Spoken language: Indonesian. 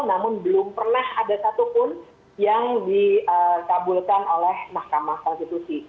namun belum pernah ada satupun yang dikabulkan oleh mahkamah konstitusi